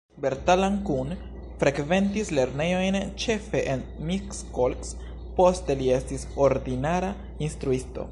Bertalan Kun frekventis lernejojn ĉefe en Miskolc, poste li estis ordinara instruisto.